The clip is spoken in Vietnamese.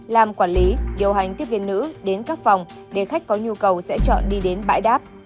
làm quản lý điều hành tiếp viên nữ đến các phòng để khách có nhu cầu sẽ chọn đi đến bãi đáp